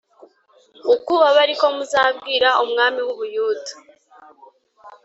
Uku abe ari ko muzabwira umwami w u Buyuda